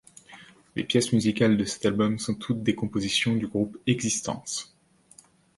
Les pièces musicales de cet album sont toutes des compositions du groupe Existence.